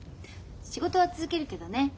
仕事は続けるけどね。